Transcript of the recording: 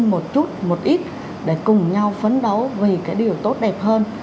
một chút một ít để cùng nhau phấn đấu vì cái điều tốt đẹp hơn